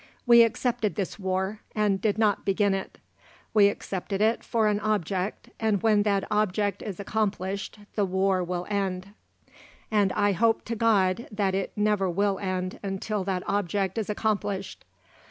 We accepted this war, and did not begin it. We accepted it for an object, and when that object is accomplished, the war will end; and I hope to God that it never will end until that object is accomplished.